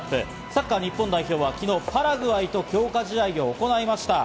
サッカー日本代表は昨日パラグアイと強化試合を行いました。